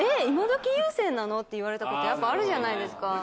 今どき有線なの？って言われた事やっぱあるじゃないですか。